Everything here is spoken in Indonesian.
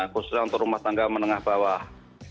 khususnya untuk rumah tangga menengah bawah